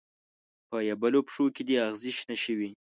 په یبلو پښو کې دې اغزې شنه شوي